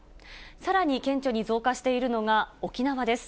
さらに顕著に増加しているのが、沖縄です。